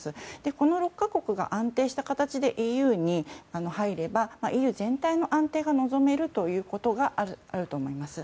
この６か国が安定した形でＥＵに入ればＥＵ全体の安定が望めるということがあると思います。